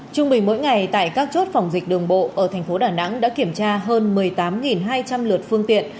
trung bình mỗi ngày tại các chốt phòng dịch đường bộ ở thành phố đà nẵng đã kiểm tra hơn một mươi tám hai trăm linh lượt phương tiện